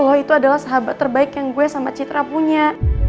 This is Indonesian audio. lo itu adalah sahabat terbaik yang gue sama citra punya